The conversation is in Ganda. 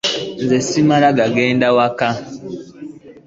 Nze simala gagenda waka.